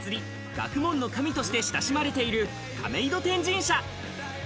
学問の神として親しまれている亀田天神社。